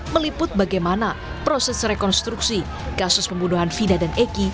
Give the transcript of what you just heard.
meliput bagaimana proses rekonstruksi kasus pembunuhan fida dan eki